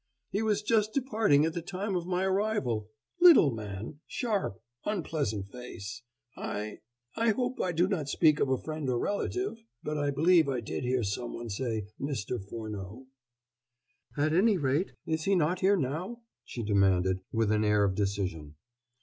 He was just departing at the time of my arrival little man sharp, unpleasant face I I hope I do not speak of a friend or relative! but I believe I did hear someone say 'Mr. Furneaux.'" "At any rate, he is not here now?" she demanded, with an air of decision.